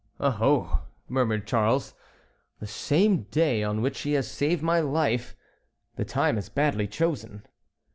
"Oh, ho!" murmured Charles, "the same day on which he has saved my life. The time is badly chosen."